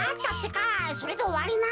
それでおわりなのか？